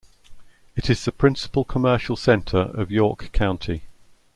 It is the principal commercial center of York County.